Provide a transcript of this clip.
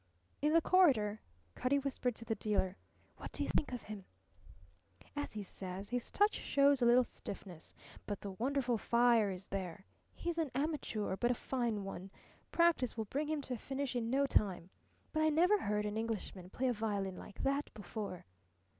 In the corridor Cutty whispered to the dealer: "What do you think of him?" "As he says, his touch shows a little stiffness, but the wonderful fire is there. He's an amateur, but a fine one. Practice will bring him to a finish in no time. But I never heard an Englishman play a violin like that before."